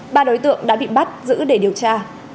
ba đối tượng đã bị bắt giữ để điều tra